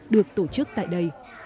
được tổ chức tại đây